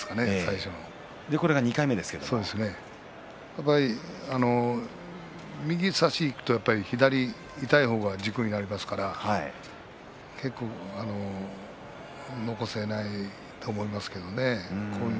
やはり２回目右差しにいくと左に痛い方が軸になりますから残せないと思いますけどね。